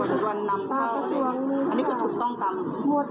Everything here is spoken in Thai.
ใบนี้คือใบกลางที่สุดควรนักศึกษาแพทย์เขาก็พบใบนี้เหรอนะ